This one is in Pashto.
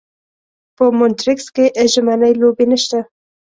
په مونټریکس کې ژمنۍ لوبې نشته.